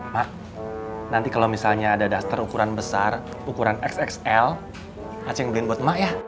mak nanti kalau misalnya ada daftar ukuran besar ukuran xxl aceh yang beliin buat mak ya